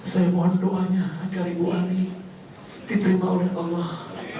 saya mohon doanya agar ibu ani diterima oleh allah